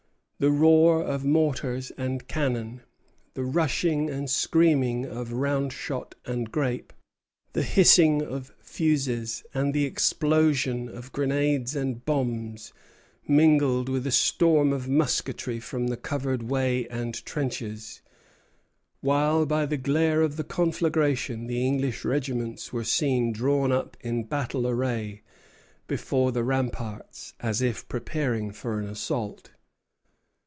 The roar of mortars and cannon, the rushing and screaming of round shot and grape, the hissing of fuses and the explosion of grenades and bombs mingled with a storm of musketry from the covered way and trenches; while, by the glare of the conflagration, the English regiments were seen drawn up in battle array, before the ramparts, as if preparing for an assault.